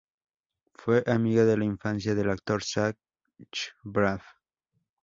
Fue amiga de la infancia del actor Zach Braff.